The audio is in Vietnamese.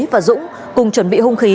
và dũng cùng chuẩn bị hung khí